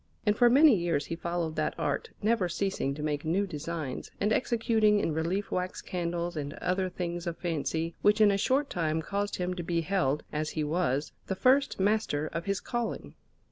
And for many years he followed that art, never ceasing to make new designs, and executing in relief wax candles and other things of fancy, which in a short time caused him to be held as he was the first master of his calling.